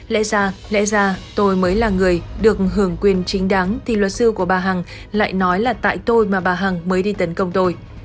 lẽ ra lẽ ra tôi mới là người được hưởng quyền chính đáng thì luật sư của bà hằng lại nói là tại tôi mà bà hằng mới đi tấn công tôi